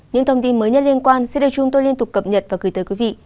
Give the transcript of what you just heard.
những thông tin mới nhất liên quan sẽ được chúng tôi liên tục cập nhật và gửi tới quý vị